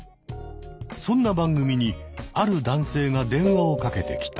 そんな番組にある男性が電話をかけてきた。